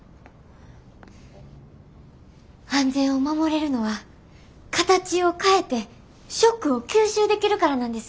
安全を守れるのは形を変えてショックを吸収できるからなんですよ。